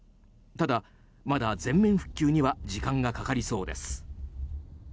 ただ、まだ全面復旧には時間がかかりそうです。